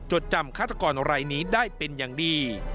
จำฆาตกรรายนี้ได้เป็นอย่างดี